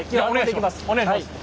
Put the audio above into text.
お願いします。